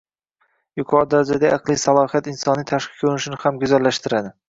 Yuqori darajadagi aqliy salohiyat insonning tashqi ko‘rinishini ham go‘zallashtiradi.